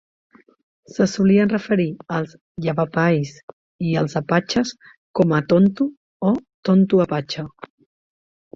Se solien referir als yavapais i als apatxes com a "tonto" o "tonto apatxe".